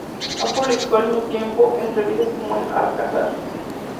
Ha publicado al mismo tiempo en revistas como "El Alcázar".